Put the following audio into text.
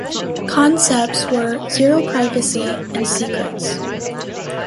Concepts were "Zero privacy" and secrets.